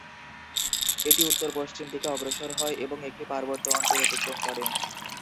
এটি উত্তর-পশ্চিম দিকে অগ্রসর হয় এবং একটি পার্বত্য অঞ্চল অতিক্রম করে।